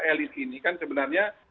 elit ini kan sebenarnya